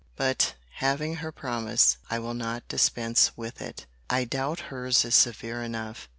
But, having her promise, I will not dispense with it. I doubt her's is severe enough.